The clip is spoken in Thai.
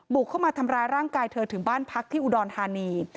เข้ามาทำร้ายร่างกายเธอถึงบ้านพักที่อุดรธานี